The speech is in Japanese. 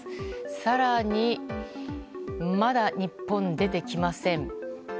更にまだ日本、出てきません。